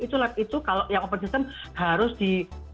itu lab itu kalau yang operasional harus di